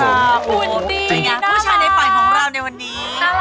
นี่ไงผู้ชายในฝันของเราในวันนี้